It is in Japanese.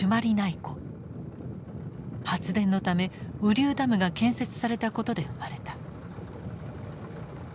発電のため雨竜ダムが建設されたことで生まれた。